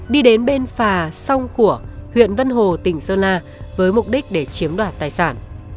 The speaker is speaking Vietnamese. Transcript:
đi đến bên phà song khủa huyện vân hồ tỉnh sơn la với mục đích để chiếm đoạt tài sản